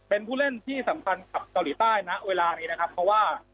เป็นผู้เล่นที่สำคัญกับเกาหลีใต้ณเวลานี้นะครับเพราะว่า